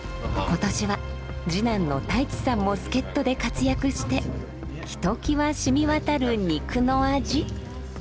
今年は次男の太一さんも助っとで活躍してひときわ染みわたる肉の味。